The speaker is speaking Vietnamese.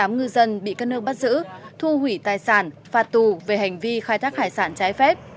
tám mươi tám ngư dân bị các nước bắt giữ thua hủy tài sản phạt tù về hành vi khai thác hải sản trái phép